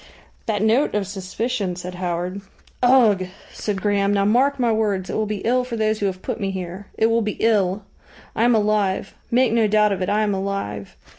"That note of suspicion " said Howard. "Ugh!" said Graham. "Now, mark my words, it will be ill for those who have put me here. It will be ill. I am alive. Make no doubt of it, I am alive.